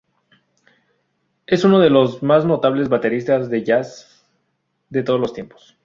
Es uno de los más notables bateristas de jazz de todos los tiempos.